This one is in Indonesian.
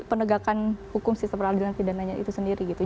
penegakan hukum sistem peradilan pidananya itu sendiri gitu